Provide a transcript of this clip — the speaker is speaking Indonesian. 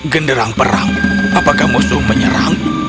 genderang perang apakah musuh menyerang